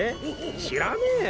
知らねえよ！